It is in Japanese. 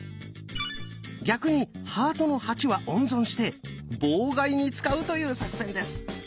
逆に「ハートの８」は温存して妨害に使うという作戦です。